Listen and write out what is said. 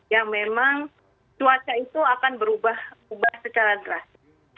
ya memang cuaca itu akan berubah secara drastis